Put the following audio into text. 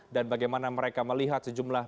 dan bagaimana mereka melihat sejumlah